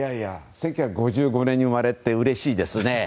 １９５５年に生まれてうれしいですね。